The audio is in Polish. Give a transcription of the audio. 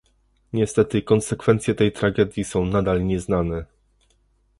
Niestety konsekwencje tej tragedii są nadal nieznane